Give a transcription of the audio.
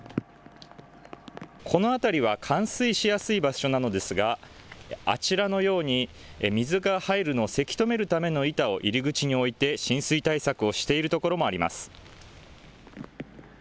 この辺りは、冠水しやすい場所なのですが、あちらのように、水が入るのをせき止めるための板を入り口に置いて、浸水対策をしている所もあります。